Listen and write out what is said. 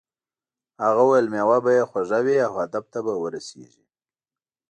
هغه وویل میوه به یې خوږه وي او هدف ته به ورسیږې.